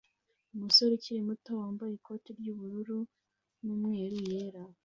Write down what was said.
Umusore ukiri muto wambaye ikote ryubururu numweru yera